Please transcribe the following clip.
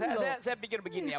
saya pikir begini ya